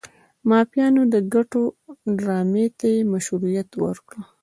د مافیاګانو د ګټو ډرامې ته یې مشروعیت ورکړ.